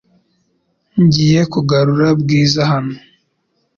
Ngiye kugarura Bwiza hano .